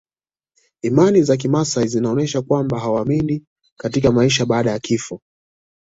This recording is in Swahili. Imani za kimaasai zinaonyesha kwamba hawaamini katika maisha baada ya kifo